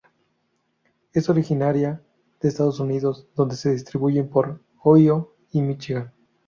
Es originaria de Estados Unidos, donde se distribuye por Ohio y Míchigan.